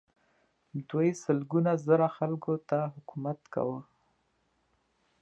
دوی سلګونه زره خلکو ته حکومت کاوه.